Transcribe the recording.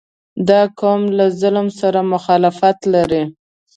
• دا قوم له ظلم سره مخالفت لري.